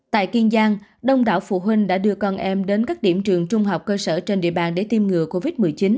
tại kiên giang đông đảo phụ huynh đã đưa con em đến các điểm trường trung học cơ sở trên địa bàn để tiêm ngừa covid một mươi chín